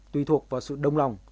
tùy thuộc vào sự đồng lòng